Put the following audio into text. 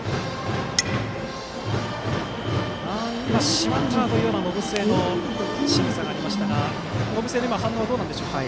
しまったというような延末のしぐさがありましたが延末の反応、どうでしたか。